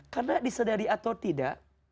karena disadari atau tidak